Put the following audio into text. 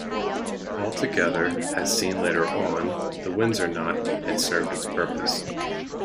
Altogether, as seen later on, the Windsor knot had served its purpose.